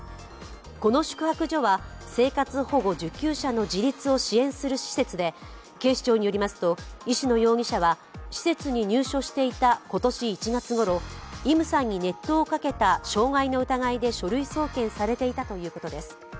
この宿泊所は、生活保護受給者の自立を支援する施設で、警視庁によりますと石野容疑者は施設に入所していた今年１月ごろイムさんに熱湯をかけた傷害の疑いで書類送検されていたということです。